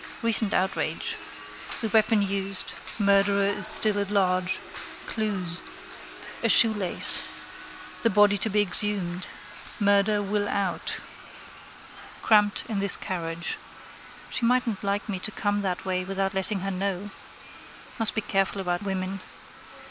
Recent outrage. The weapon used. Murderer is still at large. Clues. A shoelace. The body to be exhumed. Murder will out. Cramped in this carriage. She mightn't like me to come that way without letting her know. Must be careful about women.